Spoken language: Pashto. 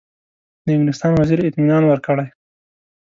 د انګلستان وزیر اطمینان ورکړی.